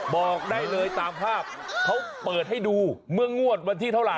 บอกได้เลยตามภาพเขาเปิดให้ดูเมื่องวดวันที่เท่าไห